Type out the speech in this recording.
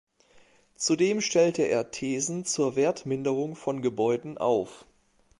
Zudem stellte er Thesen zur Wertminderung von Gebäuden auf.